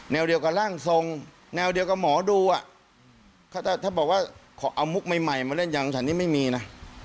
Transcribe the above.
เดียวกับร่างทรงแนวเดียวกับหมอดูอ่ะถ้าบอกว่าเอามุกใหม่มาเล่นอย่างฉันนี่ไม่มีนะ